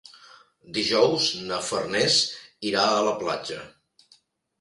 Dijous na Farners irà a la platja.